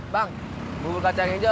bang buka cangkir